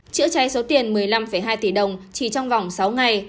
chữa cháy số tiền một mươi năm hai tỷ đồng chỉ trong vòng sáu ngày